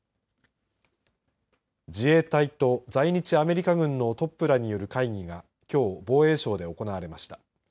自衛隊と在日アメリカ軍のトップらによる会議がきょう防衛省で行われました。